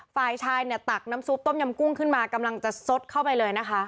ฝ่ายชายเนี่ยตักน้ำซุปต้มยำกุ้งขึ้นมากำลังจะซดเข้าไปเลยนะคะ